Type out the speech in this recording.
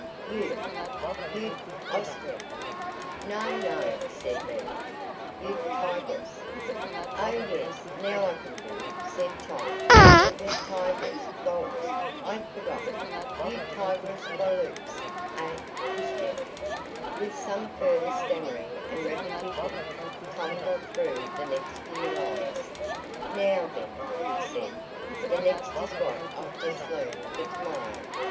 Ut——" "Ut ostrea——" "No, no," said Maggie, "ut tigris——" "Oh yes, now I can do," said Tom; "it was tigris, vulpes, I'd forgotten: ut tigris, volupes; et Piscium." With some further stammering and repetition, Tom got through the next few lines. "Now, then," he said, "the next is what I've just learned for to morrow.